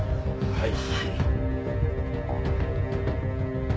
はい。